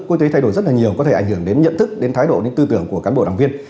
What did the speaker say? quốc tế thay đổi rất nhiều có thể ảnh hưởng đến nhận thức thái độ tư tưởng của cán bộ đảng viên